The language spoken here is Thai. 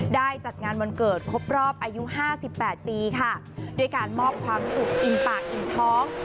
ได้จัดงานวันเกิดครบรอบอายุ๕๘ปีค่ะโดยการมอบความสุขอิ่มปากอิ่มท้อง